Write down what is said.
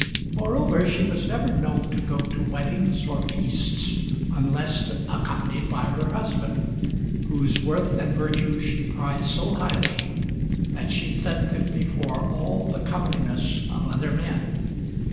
Moreover, she was never known to go to weddings or feasts unless accompanied by her husband, whose worth and virtue she prized so highly that she set them before all the comeliness of other men.